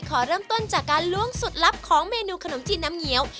ขอเริ่มต้นจากการล้วงสูตรลับของเมนูขนมจีนน้ำเงี้ยว